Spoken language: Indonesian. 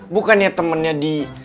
bukannya temennya di